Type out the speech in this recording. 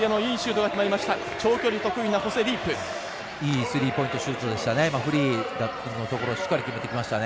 いいスリーポイントシュートでしたね。